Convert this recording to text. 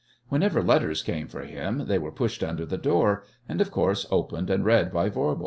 Whenever letters came for him they were pushed under the door, and, of course, opened and read by Voirbo.